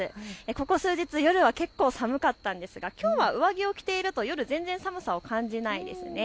ここ数日、夜は結構寒かったんですがきょうは上着を着ていると夜、寒さを感じないですね。